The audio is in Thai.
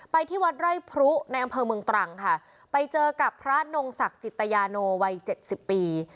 ที่วัดไร่พรุในอำเภอเมืองตรังค่ะไปเจอกับพระนงศักดิ์จิตยาโนวัยเจ็ดสิบปี